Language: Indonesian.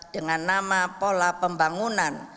dengan nama pola pembangunan